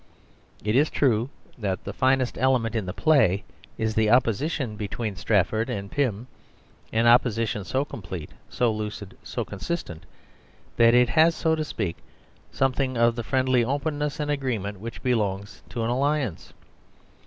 It is true that the finest element in the play is the opposition between Strafford and Pym, an opposition so complete, so lucid, so consistent, that it has, so to speak, something of the friendly openness and agreement which belongs to an alliance.